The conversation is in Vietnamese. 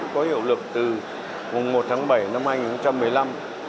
có hiệu lực từ một tháng bảy năm hai nghìn một mươi năm